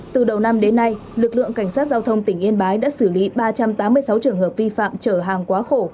từ đầu năm đến nay lực lượng cảnh sát giao thông tỉnh yên bái đã xử lý ba trăm tám mươi sáu trường hợp vi phạm trở hàng quá khổ